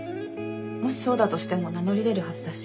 もしそうだとしても名乗り出るはずだし。